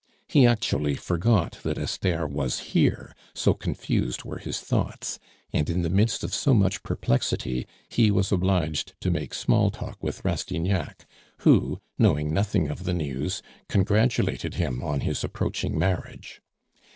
He actually forgot that Esther was here, so confused were his thoughts, and in the midst of so much perplexity he was obliged to make small talk with Rastignac, who, knowing nothing of the news, congratulated him on his approaching marriage.